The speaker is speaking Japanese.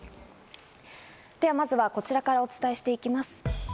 ではまずはこちらからお伝えしていきます。